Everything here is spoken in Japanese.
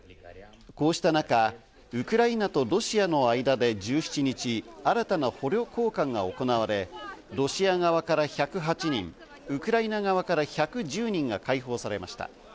こうした中、ウクライナとロシアの間で１７日、新たな捕虜交換が行われ、ロシア側から１０８人、ウクライナ側から１１０人が解放されました。